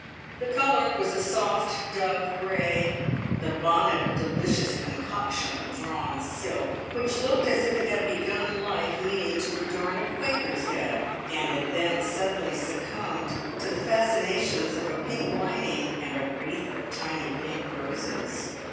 The colour was a soft dove grey, the bonnet a delicious concoction of drawn silk, which looked as if it had begun life meaning to adorn a Quaker's head, and had then suddenly succumbed to the fascinations of a pink lining and a wreath of tiny pink roses.